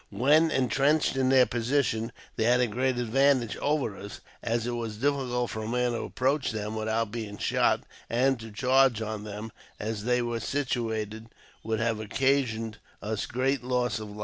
When entrenched in their position, they had a great advantage over us, as it was difi&cult for a man to approach them without being shot, and to charge on them as they were situated would have occasioned us great loss of life.